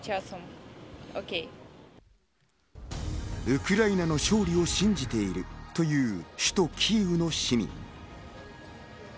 ウクライナの勝利を信じているという首都キーウの市民。